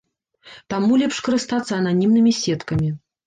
Таму лепш карыстацца ананімнымі сеткамі.